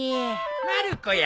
まる子や。